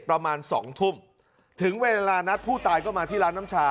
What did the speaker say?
ประมาณสองทุ่มถึงเวลานัดผู้ตายก็มาที่ร้านน้ำชา